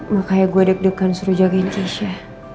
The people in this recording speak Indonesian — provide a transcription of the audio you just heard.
makanya gue deg degan suruh jagain cisha